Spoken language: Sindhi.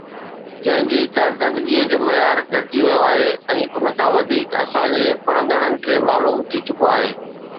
جنهن جي ڪارڪردگيءَ جو معيار گهٽجي ويو آهي ۽ ان کان وڌيڪ اسان جي پڙهندڙن کي معلوم ٿي چڪو آهي